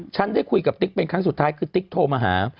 ฉันได้คุยกับติ๊กเป็นครั้งสุดท้ายคือติ๊กโทรมาหา